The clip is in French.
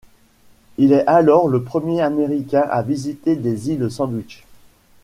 Il est alors le premier Américain à visiter les îles Sandwich.